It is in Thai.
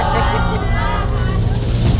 วุค